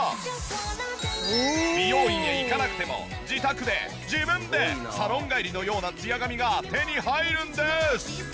美容院へ行かなくても自宅で自分でサロン帰りのようなツヤ髪が手に入るんです。